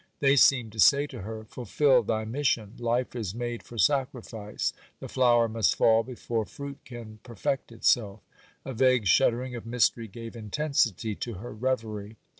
They seemed to say to her, 'Fulfil thy mission; life is made for sacrifice; the flower must fall before fruit can perfect itself.' A vague shuddering of mystery gave intensity to her reverie.